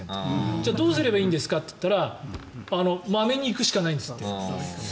じゃあ、どうすればいいんですか？と聞いたらまめに行くしかないんですって。